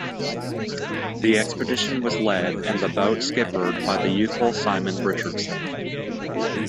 The expedition was led, and the boat skippered, by the youthful Simon Richardson.